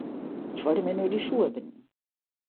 Ich wollte mir nur die Schuhe binden.